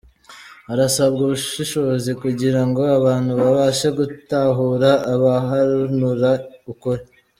Harasabwa ubushishozi kugira ngo abantu babashe gutahura abahanura ukuri